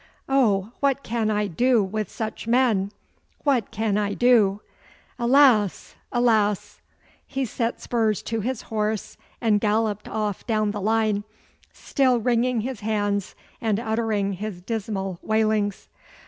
Oh! what can I do with such men? What shall I do? Alas, alas!' He set spurs to his horse and galloped off down the line, still ringing his hands and uttering his dismal wailings.